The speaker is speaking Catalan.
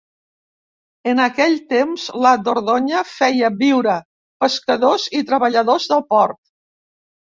En aquell Temps, la Dordonya feia viure pescadors i treballadors del port.